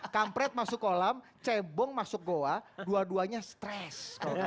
kampret masuk kolam cebong masuk goa dua duanya stres